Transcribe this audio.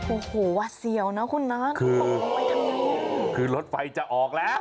โอ้โหว่าเสี่ยวนะคุณน้าคือคือรถไฟจะออกแล้ว